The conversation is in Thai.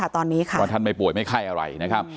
ตอนนี้ค่ะว่าท่านไม่ป่วยไม่ไข้อะไรนะครับ